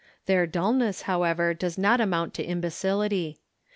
Their dullness, however, does not amount to imbecility.